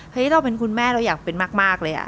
เราเป็นคุณแม่เราอยากเป็นมากเลย